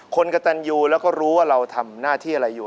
กระตันยูแล้วก็รู้ว่าเราทำหน้าที่อะไรอยู่